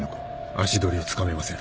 ・足取りをつかめません。